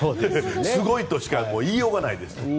すごいとしか言いようがないです。